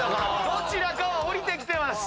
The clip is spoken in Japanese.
どちらかは降りてきてます。